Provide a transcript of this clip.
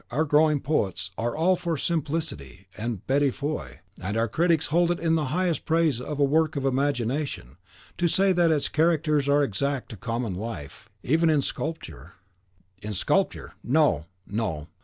Our growing poets are all for simplicity and Betty Foy; and our critics hold it the highest praise of a work of imagination, to say that its characters are exact to common life, even in sculpture " "In sculpture! No, no!